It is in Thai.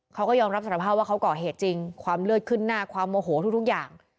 เขาก็ยอมรับสารภาพว่าเขาก่อเหตุจริงความเลือดขึ้นหน้าความโมโหทุกอย่าง